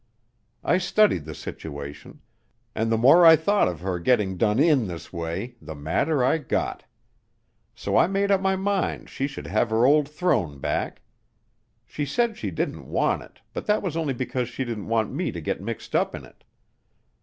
I studied the situation, and the more I thought of her getting done in this way, the madder I got. So I made up my mind she should have her old throne back. She said she didn't want it, but that was only because she didn't want me to get mixed up in it.